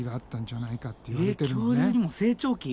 恐竜にも成長期？